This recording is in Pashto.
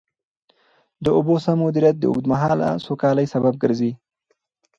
د اوبو سم مدیریت د اوږدمهاله سوکالۍ سبب ګرځي.